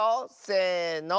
せの。